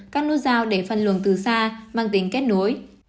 các nút giao để phân luồng từ xa mang tính kết nối